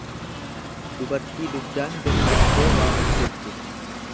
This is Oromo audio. dubartii dugdaan gadi jettee waa hojjettu.